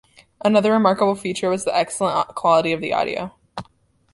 Another remarkable feature was the excellent quality of the audio.